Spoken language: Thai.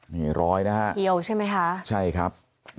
นี่ร้อยนะฮะใช่ครับ